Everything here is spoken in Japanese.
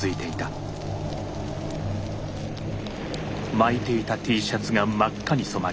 巻いていたＴシャツが真っ赤に染まり